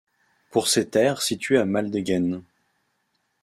Pour ses terres situées à Maldegem.